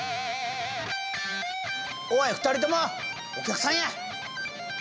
おい２人ともお客さんや。